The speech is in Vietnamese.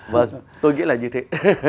vâng tôi nghĩ là như thế